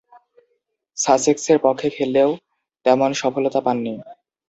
সাসেক্সের পক্ষে খেললেও তেমন সফলতা পাননি।